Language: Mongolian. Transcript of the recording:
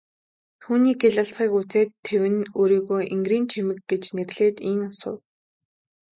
Түүний гялалзахыг үзээд тэвнэ өөрийгөө энгэрийн чимэг гэж нэрлээд ийн асуув.